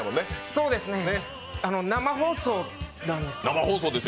そうですね、生放送なんですか。